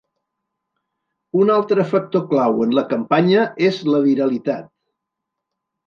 Un altre factor clau en la campanya és la viralitat.